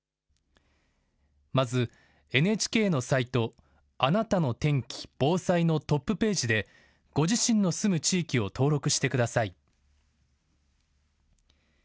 まず、ＮＨＫのサイトあなたの天気・防災のトップページでご自身の住む地域を登録してください。